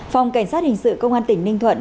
phòng cảnh sát hình sự công an tỉnh ninh thuận